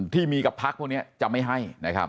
ที่มีกับพักพวกเนี่ยจะไม่ให้